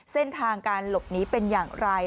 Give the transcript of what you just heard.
เส้นทางการหลบหนีเป็นอย่างไร